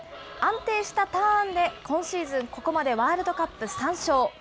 安定したターンで、今シーズン、ここまでワールドカップ３勝。